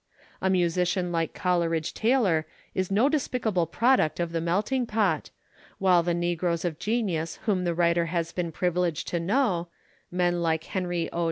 A musician like Coleridge Taylor is no despicable product of the "Melting Pot," while the negroes of genius whom the writer has been privileged to know men like Henry O.